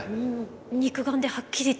肉眼ではっきりと。